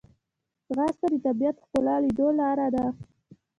ځغاسته د طبیعت ښکلا لیدو لاره ده